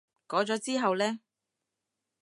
改咗之後呢？